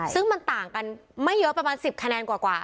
ซึ่งมันต่างกันไม่เยอะประมาณ๑๐คะแนนกว่า